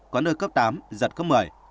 có nơi cấp tám giật cấp một mươi